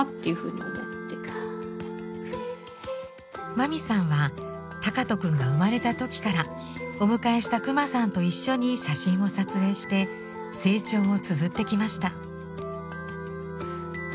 まみさんは敬斗くんが生まれた時からお迎えしたクマさんと一緒に写真を撮影して成長をつづってきました。